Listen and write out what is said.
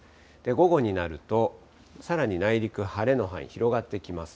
午後になると、さらに内陸、晴れの範囲広がってきます。